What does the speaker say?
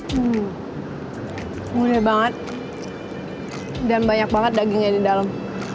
hmm gurih banget dan banyak banget dagingnya di dalam